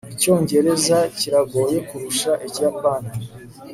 icyongereza kiragoye kurusha ikiyapani